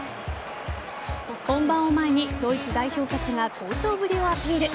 本番を前にドイツ代表たちが好調ぶりをアピール。